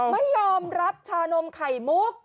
ไม่ยอมรับชานมไข่มุก